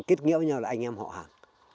kết nghĩa với nhau là anh em họ hàng